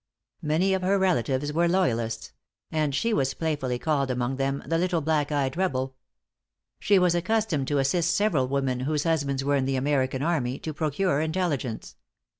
Many of her relatives were loyalists; and she was playfully called among them "the little black eyed rebel." She was accustomed to assist several women whose husbands were in the American army, to procure intelligence.